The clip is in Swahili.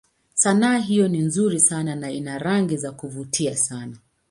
Sanaa hiyo ni nzuri sana na ina rangi za kuvutia sana.